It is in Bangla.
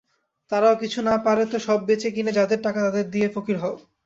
তারাও কিছু না পারে তো সব বেচে-কিনে যাদের টাকা তাদের দিয়ে ফকির হও।